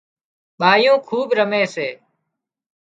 ٻايون کوٻ رمي سي